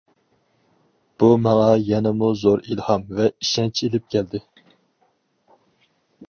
بۇ ماڭا يەنىمۇ زور ئىلھام ۋە ئىشەنچ ئىلىپ كەلدى.